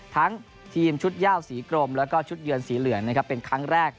ทั้งทีมชุดย่าวสีกรมแล้วก็ชุดเยือนสีเหลืองนะครับเป็นครั้งแรก